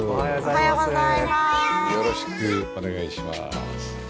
よろしくお願いします。